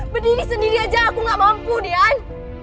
berdiri sendiri aja aku gak mampu dian